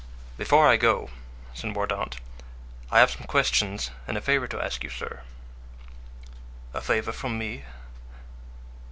"Before I go," said Mordaunt, "I have some questions and a favor to ask you, sir." "A favor from me?"